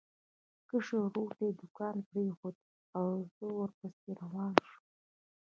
کشر ورور ته دوکان پرېښود او زه ورپسې روان شوم.